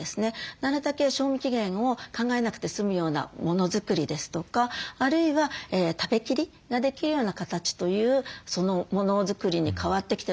なるだけ賞味期限を考えなくて済むようなものづくりですとかあるいは食べきりができるような形というものづくりに変わってきてる。